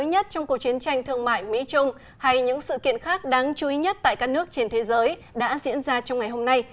hay những sự kiện khác đáng chú ý nhất tại các nước trên thế giới đã diễn ra trong ngày hôm nay